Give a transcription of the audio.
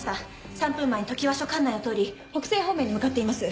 ３分前に常盤署管内を通り北西方面に向かっています。